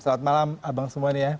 selamat malam abang semuanya ya